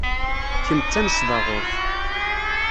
Kemm d tanesbaɣurt.